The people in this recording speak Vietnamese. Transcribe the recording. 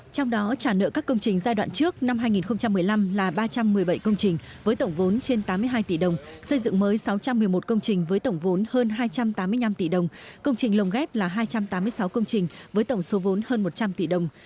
trong đó trả nợ các công trình giai đoạn trước năm hai nghìn một mươi năm là ba trăm một mươi bảy công trình với tổng vốn trên tám mươi hai tỷ đồng xây dựng mới sáu trăm một mươi một công trình với tổng vốn hơn hai trăm tám mươi năm tỷ đồng công trình lồng ghép là hai trăm tám mươi sáu công trình với tổng số vốn hơn một trăm linh tỷ đồng